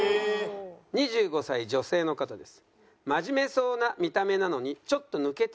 ２５歳女性の方です。